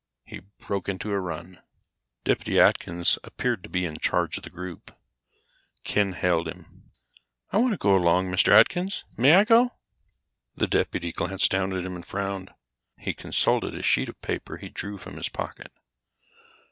He broke into a run. Deputy Atkins appeared to be in charge of the group. Ken hailed him. "I want to go along, Mr. Atkins. May I go?" The deputy glanced down at him and frowned. He consulted a sheet of paper he drew from his pocket.